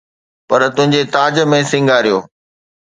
پر، تنهنجي تاج ۾ سينگاريو.